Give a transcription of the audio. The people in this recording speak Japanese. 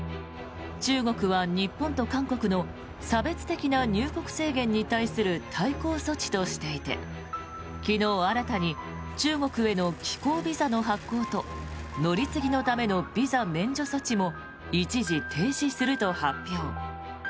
中国は、日本と韓国の差別的な入国制限に対する対抗措置としていて昨日、新たに中国への寄港ビザの発行と乗り継ぎのためのビザ免除措置も一時停止すると発表。